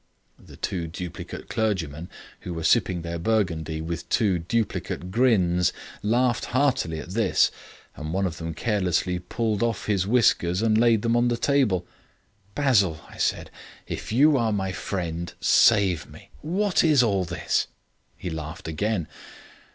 The two duplicate clergymen, who were sipping their Burgundy with two duplicate grins, laughed heartily at this, and one of them carelessly pulled off his whiskers and laid them on the table. "Basil," I said, "if you are my friend, save me. What is all this?" He laughed again.